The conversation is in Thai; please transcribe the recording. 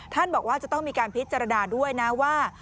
บอกว่าจะต้องมีการพิจารณาด้วยนะว่า